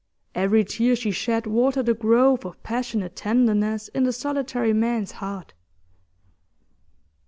Every tear she shed watered a growth of passionate tenderness in the solitary man's heart.